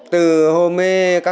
từ hôm nay